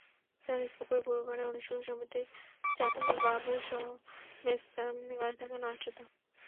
দেওয়ানিজ পুকুরের পূর্ব পাড়ে অনুশীলন সমিতির চারু বাবুসহ মেস করে থাকতেন মাস্টারদা।